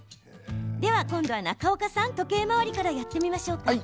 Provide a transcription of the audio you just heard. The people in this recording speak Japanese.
では、中岡さん時計回りからやってみましょう。